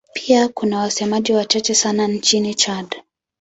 Pia kuna wasemaji wachache sana nchini Chad.